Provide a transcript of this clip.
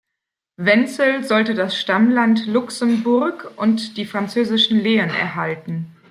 Wenzel sollte das Stammland Luxemburg und die französischen Lehen erhalten.